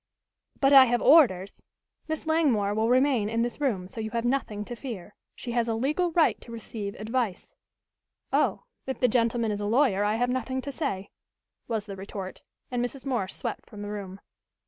"But I have orders " "Miss Langmore will remain in this room, so you have nothing to fear. She has a legal right to receive advice." "Oh, if the gentleman is a lawyer I have nothing to say," was the retort, and Mrs. Morse swept from the room.